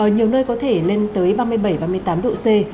nhiều nơi có thể lên tới ba mươi bảy ba mươi tám độ c